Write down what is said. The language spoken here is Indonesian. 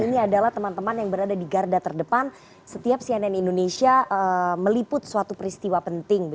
ini adalah teman teman yang berada di garda terdepan setiap cnn indonesia meliput suatu peristiwa penting